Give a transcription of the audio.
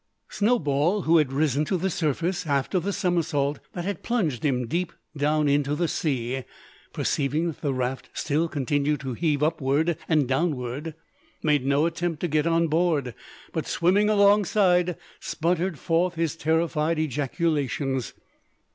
Snowball, who had risen to the surface after the somersault that had plunged him deep down into the sea, perceiving that the raft still continued to heave upward and downward, made no attempt to get on board; but swimming alongside, sputtered forth his terrified ejaculations.